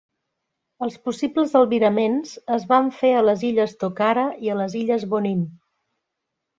Els possibles albiraments es van fer a les illes Tokara i a les illes Bonin.